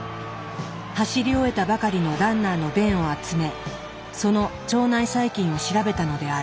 走り終えたばかりのランナーの便を集めその腸内細菌を調べたのである。